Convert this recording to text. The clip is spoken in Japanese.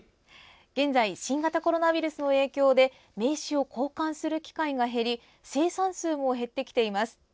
現在新型コロナウイルスの影響で名刺を交換する機会が減り生産数も減ってきています。